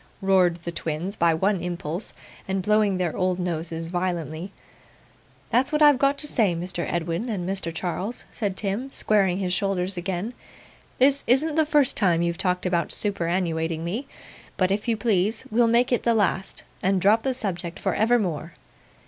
roared the twins by one impulse, and blowing their old noses violently. 'That's what I've got to say, Mr. Edwin and Mr. Charles,' said Tim, squaring his shoulders again. 'This isn't the first time you've talked about superannuating me; but, if you please, we'll make it the last, and drop the subject for evermore.